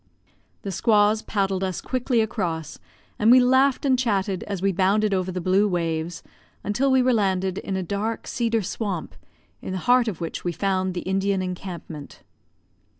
The squaws paddled us quickly across, and we laughed and chatted as we bounded over the blue waves, until we were landed in a dark cedar swamp, in the heart of which we found the Indian encampment.